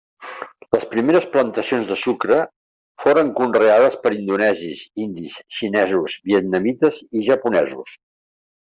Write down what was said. Les primeres plantacions de sucre foren conreades per indonesis, indis, xinesos, vietnamites i japonesos.